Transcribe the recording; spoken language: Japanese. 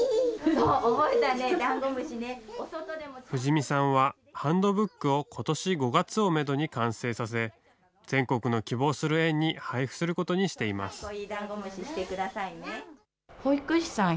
藤實さんはハンドブックをことし５月をメドに完成させ、全国の希望する園に配付することにしています。